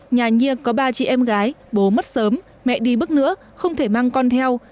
nhà nhia có ba chị em gái bố mất sớm mẹ đi bức nữa không thể mang con theo